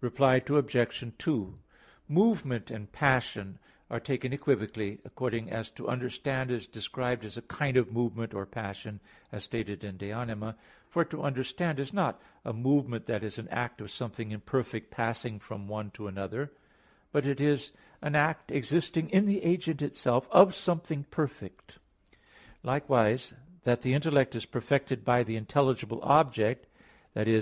Reply Obj. 2: Movement and passion are taken equivocally, according as to understand is described as a kind of movement or passion, as stated in De Anima iii. For to understand is not a movement that is an act of something imperfect passing from one to another, but it is an act, existing in the agent itself, of something perfect. Likewise that the intellect is perfected by the intelligible object, i.e.